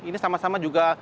ini sama sama juga